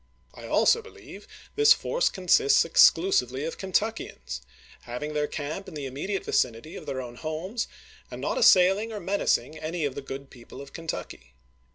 I also be lieve this force consists exclusively of Kentuckians, hav ing their camp in the immediate vicinity of their own homes, and not assailing or menacing any of the good people of Kentucky.